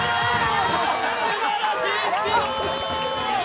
すばらしいスピード。